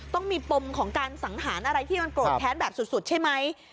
ต้องมีปมของการสังหารอะไรที่มันโกรธแค้นแบบสุดใช่ไหม